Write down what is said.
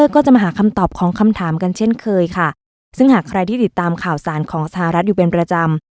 ก็จะมาหาคำตอบของคำถามกันเช่นเคยค่ะซึ่งหากใครที่ติดตามข่าวสารของสหรัฐอยู่เป็นประจำ